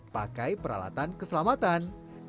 pakai peralatan keselamatan